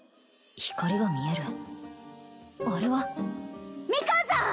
光が見えるあれはミカンさん！